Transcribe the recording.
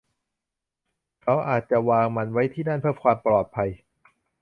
เขาอาจจะวางมันไว้ที่นั่นเพื่อความปลอดภัย